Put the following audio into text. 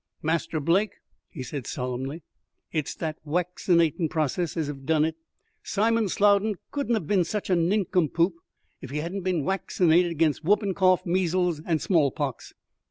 "Master Blake," he said solemnly, "it's that waccinatin' process as hev done it. Simon Slowden couldn't hev bin sich a nincompoop if he hadn't bin waccinated 'gainst whoopin' cough, measles, and small pox.